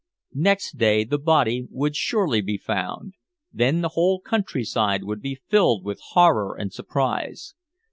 Next day the body would surely be found; then the whole countryside would be filled with horror and surprise.